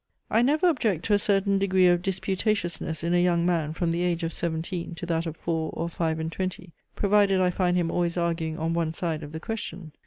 I never object to a certain degree of disputatiousness in a young man from the age of seventeen to that of four or five and twenty, provided I find him always arguing on one side of the question.